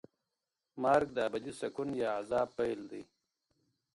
مرګ د ابدي سکون یا عذاب پیل دی.